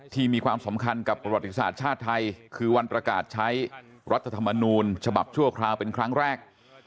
มีความสำคัญกับประวัติศาสตร์ชาติไทยคือวันประกาศใช้รัฐธรรมนูญฉบับชั่วคราวเป็นครั้งแรก